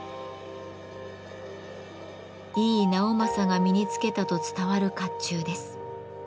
井伊直政が身につけたと伝わる甲冑です。